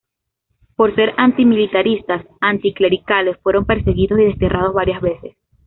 Por ser antimilitaristas, anticlericales fueron perseguidos y desterrados varias veces.